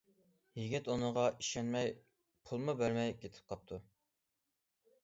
يىگىت ئۇنىڭغا ئىشەنمەي پۇلمۇ بەرمەي كېتىپ قاپتۇ.